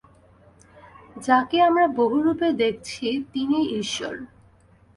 যাঁকে আমরা বহুরূপে দেখছি, তিনিই ঈশ্বর।